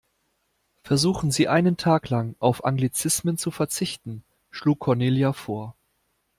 Versuchen Sie, einen Tag lang auf Anglizismen zu verzichten, schlug Cornelia vor.